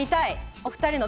お二人の。